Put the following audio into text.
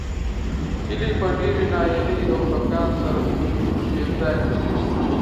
هیلې په ډېرې ناهیلۍ او خپګان سره خپلې شونډې یو ځای کړې.